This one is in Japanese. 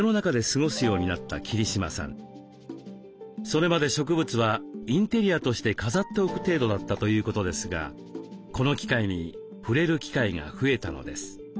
それまで植物はインテリアとして飾っておく程度だったということですがこの機会に触れる機会が増えたのです。